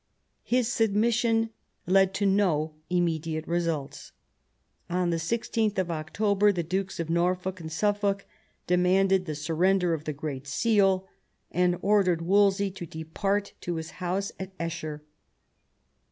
His submission led to no immediate results. On 16th October the Dukes of Norfolk and Suffolk demanded the surrender of the great seal, and ordered Wolsey to depart to his house at Esher.